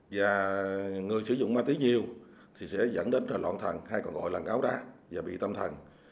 và người sử dụng ma túy nhiều thì sẽ dẫn đến loạn thần hay còn gọi là ngáo đá và bị tâm thần